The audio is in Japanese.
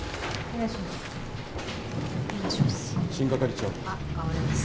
お願いします。